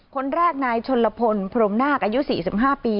คนแรกนายชนลพลพรมนาคอายุ๔๕ปี